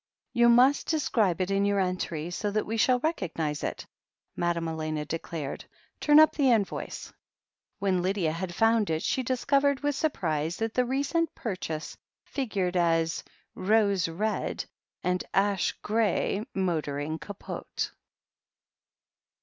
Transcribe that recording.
"You must describe it in your entry, so that we shall recognize it," Madame Elena declared. "Turn up the invoice." When Lydia had foimd it she discovered with sur prise that the recent purchase figured as "Rose red and ash grey motoring capote."